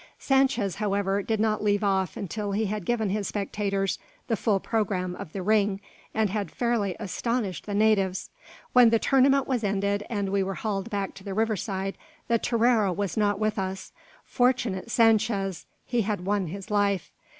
Sanchez, however, did not leave off until he had given his spectators the full programme of the "ring," and had fairly "astonished the natives." When the tournament was ended, and we were hauled back to the river side, the torero was not with us. Fortunate Sanchez! He had won his life!